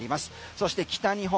そして北日本。